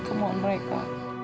seperti kamu mereka